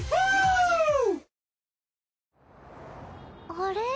あれ？